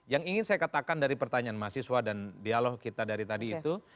yang ingin saya katakan dari pertanyaan mahasiswa dan dialog kita dari tadi itu